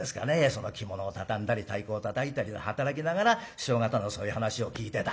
その着物を畳んだり太鼓をたたいたりで働きながら師匠方のそういう話を聞いてた。